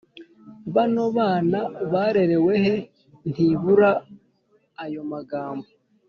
«bano bana barerewe he » ntibura ; ayo magambo